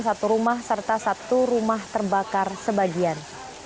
satu rumah serta satu rumah terbakar sebagian